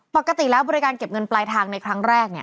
ปกติแล้วบริการเก็บเงินปลายทางในครั้งแรก